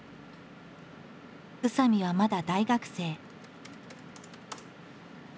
宇佐見はまだ大学生。